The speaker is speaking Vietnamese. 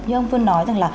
như ông phương nói